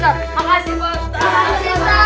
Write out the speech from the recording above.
terima kasih bosat